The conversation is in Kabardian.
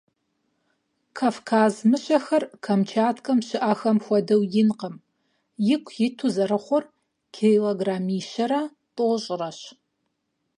Кавказ мыщэхэр Камчаткэм щыIэхэм хуэдэу инкъым - ику иту зэрыхъур килограммищэрэ тIощIрэщ.